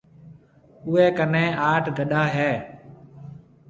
اوَي ڪنَي آٺ گڏا هيَ۔